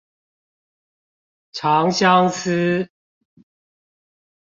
長相思